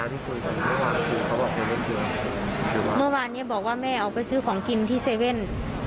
เมื่อวานเนี้ยบอกว่าแม่ออกไปซื้อของกินที่๗๑๑